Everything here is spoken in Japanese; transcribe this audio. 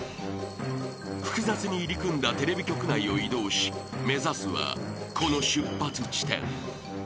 ［複雑に入り組んだテレビ局内を移動し目指すはこの出発地点］